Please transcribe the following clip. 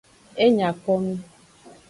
E nya ko nu.